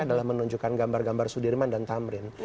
adalah menunjukkan gambar gambar sudirman dan tamrin